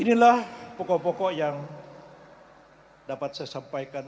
inilah pokok pokok yang dapat saya sampaikan